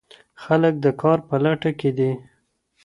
خلګ د کار په لټه کي دي.